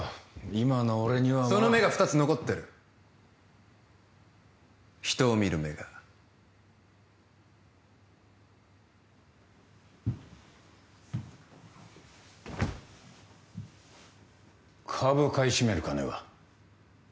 今の俺にはその目が二つ残ってる人を見る目が株を買い占める金は？